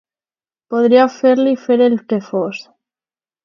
Podria fer-li fer el que fos.